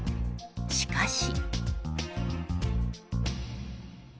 しかし。